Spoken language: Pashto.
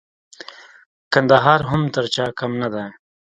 کندهار هم تر هيچا کم نه دئ.